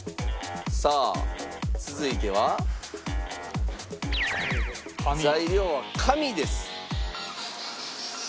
さあ続いては材料は紙です。